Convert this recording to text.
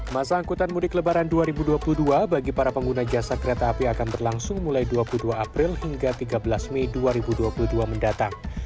masa angkutan mudik lebaran dua ribu dua puluh dua bagi para pengguna jasa kereta api akan berlangsung mulai dua puluh dua april hingga tiga belas mei dua ribu dua puluh dua mendatang